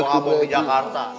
aku mau ke jakarta